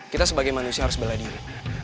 kita sebagai manusia harus bela diri